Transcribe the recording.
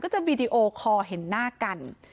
จะวีดีโอคอลเห็นหน้ากัน